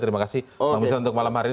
terima kasih bang musta untuk malam hari ini